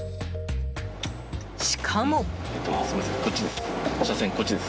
しかも。